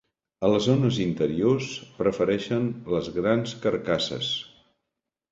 A les zones interiors, prefereixen les grans carcasses.